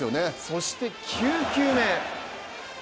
そして９球目。